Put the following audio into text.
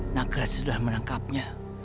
nagraj sudah menangkapnya